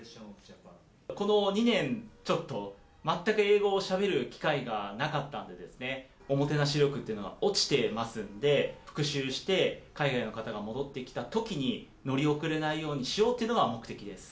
この２年ちょっと、全く英語をしゃべる機会がなかったんでですね、おもてなし力っていうのは落ちてますんで、復習して、海外の方が戻ってきたときに、乗り遅れないようにしようというのが目的です。